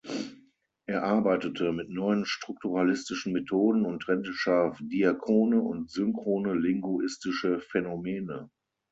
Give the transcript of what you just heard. Er arbeitete mit neuen strukturalistischen Methoden und trennte scharf diachrone und synchrone linguistische Phänomene.